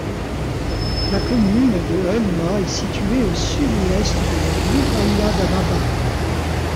La commune de Eulma est située au sud-ouest de la wilaya d'Annaba.